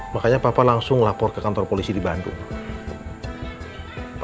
makanya papa langsung lapor ke kantor polisi di bandung